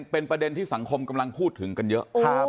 เป็นประเด็นที่สังคมกำลังพูดถึงกันเยอะ